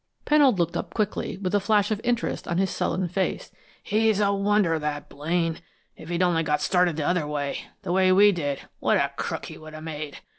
Pennold looked up quickly, with a flash of interest on his sullen face. "He's a wonder, that Blaine! If he'd only got started the other way, the way we did, what a crook he would have made!